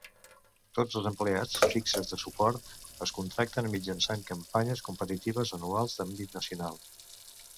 Tots els empleats fixes de suport es contracten mitjançant campanyes competitives anuals d'àmbit nacional